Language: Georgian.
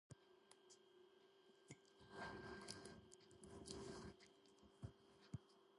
ორფერდა სახურავი გადახურულია კრამიტით.